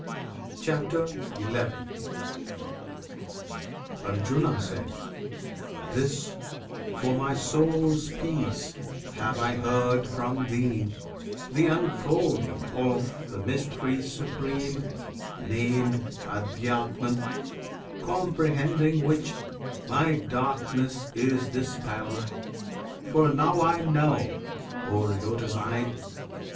CHAPTER XI Arjuna. This, for my soul's peace, have I heard from Thee, The unfolding of the Mystery Supreme Named Adhyatman; comprehending which, My darkness is dispelled; for now I know O Lotus eyed!